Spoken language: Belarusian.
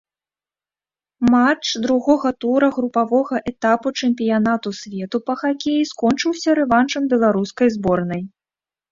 Матч другога тура групавога этапу чэмпіянату свету па хакеі скончыўся рэваншам беларускай зборнай.